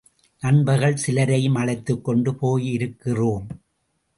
நண்பர்கள் சிலரையும் அழைத்துக்கொண்டு போயிருக்கிறோம்.